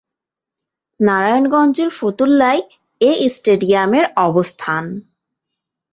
নারায়ণগঞ্জের ফতুল্লায় এ স্টেডিয়ামের অবস্থান।